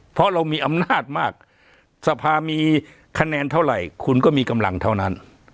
เพราะเรามีอำนาจมากสภามีคะแนนเท่าไหร่คุณก็มีกำลังเท่านั้น